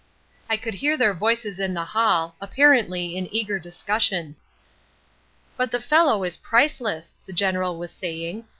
"I could hear their voices in the hall, apparently in eager discussion. "'But the fellow is priceless,' the General was saying.